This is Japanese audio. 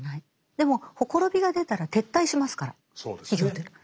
でもほころびが出たら撤退しますから企業というのは。